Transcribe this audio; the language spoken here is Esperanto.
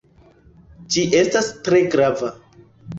Ĝi estas tre grava.